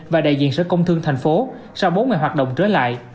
và đại diện sở công thương thành phố sau bốn ngày hoạt động trở lại